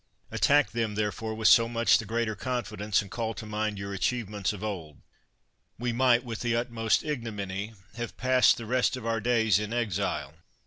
Attack them, therefore, with so much the greater confidence, and call to mind your achievements of old. We might, with the utmost ignominy, have passed the rest of our days in exile.